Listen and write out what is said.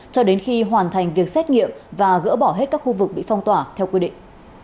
cho đến khi hoàn thành việc xét nghiệm và gỡ bỏ hết các khu vực bị phong tỏa theo quy định